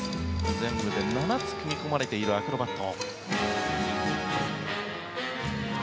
全部で７つ組み込まれているアクロバット。